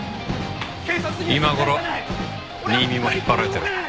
今頃新見も引っ張られてる。